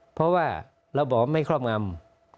เพราะว่าเราบอกว่าไม่ครอบงำ